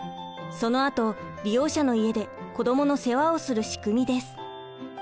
そのあと利用者の家で子どもの世話をする仕組みです。